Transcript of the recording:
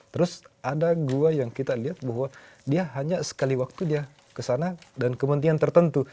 terus ada gua yang kita lihat bahwa dia hanya sekali waktu dia kesana dan kementerian tertentu